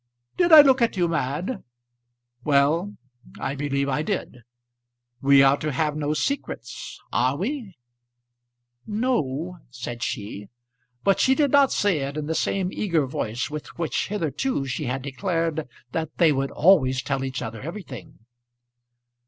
"Did I look at you, Mad? Well, I believe I did. We are to have no secrets; are we?" "No," said she. But she did not say it in the same eager voice with which hitherto she had declared that they would always tell each other everything.